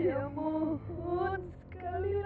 apa lagi yang ganjal nih